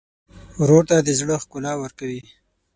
ورور ته د زړه ښکلا ورکوې.